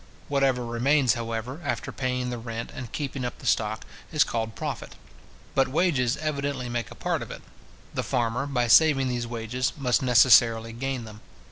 Whatever remains, however, after paying the rent and keeping up the stock, is called profit. But wages evidently make a part of it. The farmer, by saving these wages, must necessarily gain them.